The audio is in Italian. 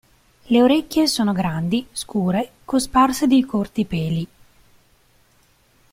Le orecchie sono grandi, scure, cosparse di corti peli.